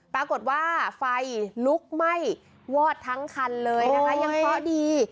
ปรากฏว่าไฟลุกไหม้วอดทั้งคันเลยนะคะยังเคราะห์ดี